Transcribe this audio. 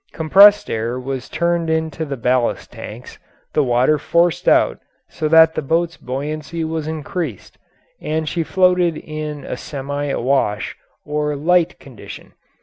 Compressed air was turned into the ballast tanks, the water forced out so that the boat's buoyancy was increased, and she floated in a semi awash, or light, condition.